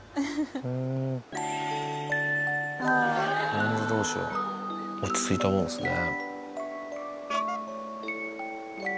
ニャンズ同士は落ち着いたもんですね。